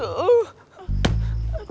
aduh gede banget